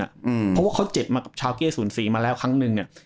เพราะว่าเขาเจ็บมากับชาวเกียร์๐๔มาแล้วครั้งหนึ่ง